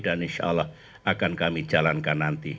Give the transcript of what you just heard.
dan insyaallah akan kami jalankan nanti